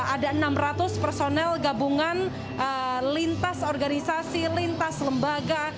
ada enam ratus personel gabungan lintas organisasi lintas lembaga